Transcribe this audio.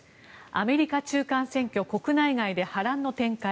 アメリカの中間選挙国内外で波乱の展開